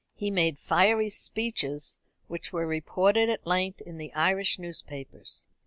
He made fiery speeches which were reported at length in the Irish newspapers.